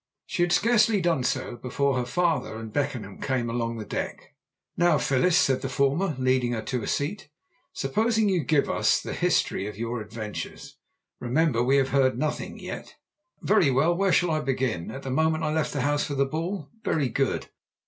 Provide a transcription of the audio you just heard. She had scarcely done so before her father and Beckenham came along the deck. "Now, Phyllis," said the former, leading her to a seat, "supposing you give us the history of your adventures. Remember we have heard nothing yet." "Very well. Where shall I begin? At the moment I left the house for the ball? Very good.